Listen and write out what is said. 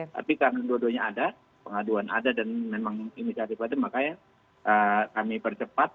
tapi karena dua duanya ada pengaduan ada dan memang inisiatif itu makanya kami percepat